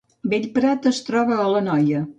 Bellprat es troba a l’Anoia